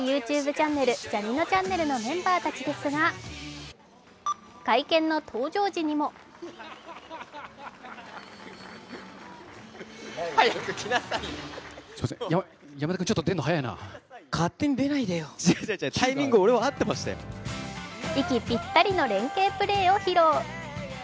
チャンネル「ジャにのちゃんねる」のメンバーたちですが、会見の登場時にも息ぴったりの連係プレーを披露。